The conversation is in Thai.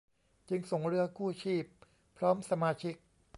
จึงส่งเรือกู้ชีพพร้อมสมาชิก